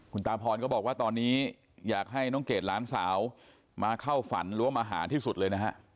คุณตาพรก็บอกว่าตอนนี้อยากให้น้องเกดหลานสาวมาเข้าฝันหรือว่ามาหาที่สุดเลยนะฮะ